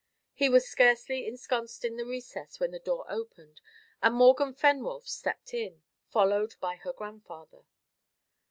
He was scarcely ensconed in the recess, when the door opened, and Morgan Fenwolf stepped in, followed by her grandfather.